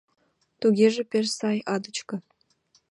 — «Тугеже пеш сай, Адочка!